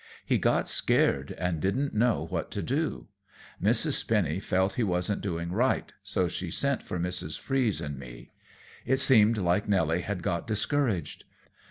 He got scared and didn't know what to do. Mrs. Spinny felt he wasn't doing right, so she sent for Mrs. Freeze and me. It seemed like Nelly had got discouraged.